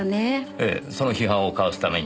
ええその批判をかわすために